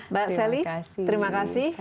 mbak sally terima kasih